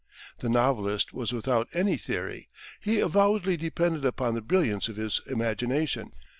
The novelist was without any theory: he avowedly depended upon the brilliance of his imagination.